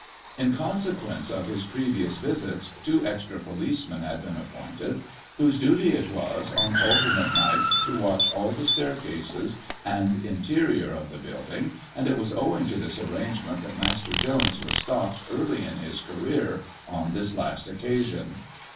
In consequence of his previous visits, two extra policemen had been appointed, whose duty it was, on alternate nights, to watch all the staircases and interior of the building, and it was owing to this arrangement that Master Jones was stopped early in his career, on this last occasion.